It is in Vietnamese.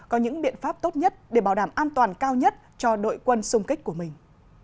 có những biện pháp tốt nhất để bảo đảm an toàn cao nhất cho đội quân xung kích của mình